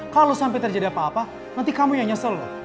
kalo sampe terjadi apa apa nanti kamu yang nyesel loh